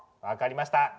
分かりました。